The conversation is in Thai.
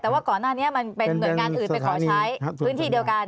แต่ว่าก่อนหน้านี้มันเป็นหน่วยงานอื่นไปขอใช้พื้นที่เดียวกัน